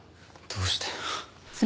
どうして。